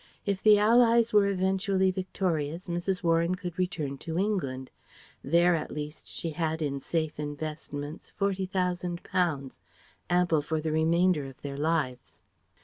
If the Allies were eventually victorious, Mrs. Warren could return to England. There at least she had in safe investments £40,000, ample for the remainder of their lives.